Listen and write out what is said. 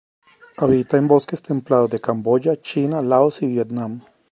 Habita en bosques templados de Camboya, China, Laos y Vietnam.